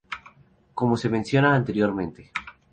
Como se menciona anteriormente.